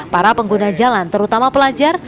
para pengguna jalan terutama pelajar